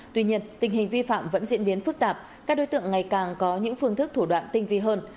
tuy nhiên tình hình vi phạm vẫn diễn biến phức tạp các đối tượng ngày càng có những phương thức thủ đoạn tinh vi hơn